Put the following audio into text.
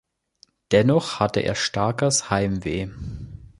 Dennoch hatte er starkes Heimweh.